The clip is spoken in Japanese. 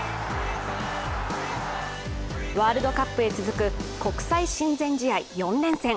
ワールドカップへ続く国際親善試合４連戦。